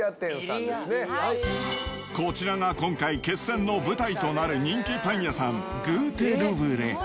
こちらが今回、決戦の舞台となる人気パン屋さん、グーテ・ルブレ。